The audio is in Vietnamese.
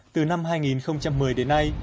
từ năm hai nghìn một mươi đến nay